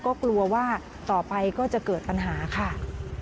ก็กลัวว่าต่อไปก็จะเกิดปัญหาค่ะ